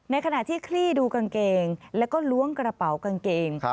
ขณะที่คลี่ดูกางเกงแล้วก็ล้วงกระเป๋ากางเกง